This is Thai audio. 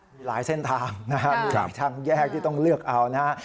มีหลายเส้นทางนะครับมีทางแยกที่ต้องเลือกเอานะฮะ